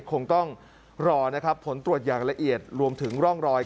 คงต้องรอนะครับผลตรวจอย่างละเอียดรวมถึงร่องรอย